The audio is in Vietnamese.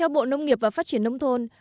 bộ nông nghiệp và phát triển nông thôn